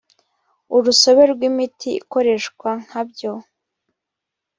urusobe rw imiti ikoreshwa nka byo